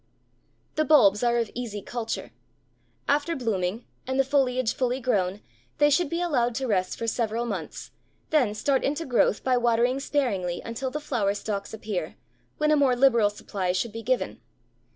The bulbs are of easy culture. After blooming, and the foliage fully grown, they should be allowed to rest for several months, then start into growth by watering sparingly until the flower stalks appear, when a more liberal supply should be given.